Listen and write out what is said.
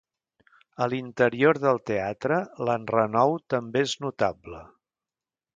A l'interior del teatre l'enrenou també és notable.